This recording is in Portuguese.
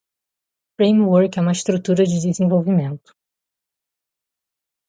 Framework é uma estrutura de desenvolvimento.